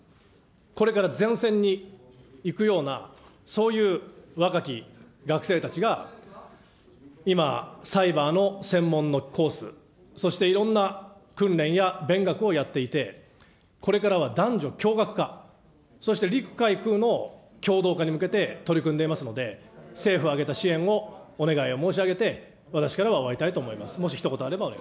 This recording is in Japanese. これからゼロ戦に行くようなそういう若き学生たちが今、サイバーの専門のコース、そしていろんな訓練や勉学をやっていて、これからは男女共学化、そして陸海空の共同化に向けて取り組んでいますので、政府を挙げた支援をお願いを申し上げて、私からは終わりたいと思います。